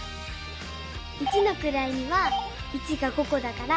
一のくらいには１が５こだから５。